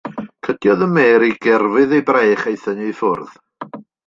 Cydiodd yn Mary gerfydd ei braich a'i thynnu i ffwrdd.